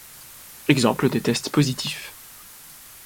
Exemple de test positif.